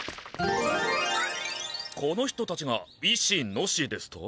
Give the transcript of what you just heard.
この人たちが「いしのし」ですと？